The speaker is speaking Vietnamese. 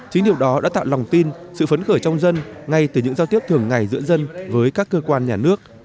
chính điều đó đã tạo lòng tin sự phấn khởi trong dân ngay từ những giao tiếp thường ngày giữa dân với các cơ quan nhà nước